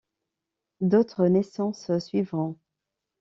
D’autres naissances suivront.